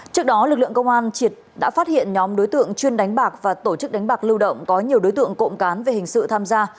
trước đó lực lượng công an đã phát hiện nhóm đối tượng chuyên đánh bạc và tổ chức đánh bạc lưu động có nhiều đối tượng cộng cán về hình sự tham gia